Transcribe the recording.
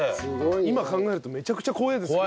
今考えるとめちゃくちゃ怖いですけど。